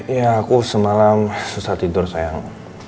ya aku semalam susah tidur sayang